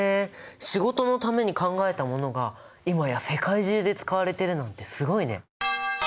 仕事のために考えたものが今や世界中で使われてるなんてすごいね！